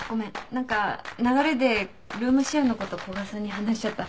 何か流れでルームシェアのこと古賀さんに話しちゃった。